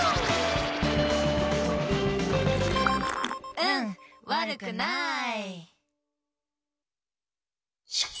うんわるくない。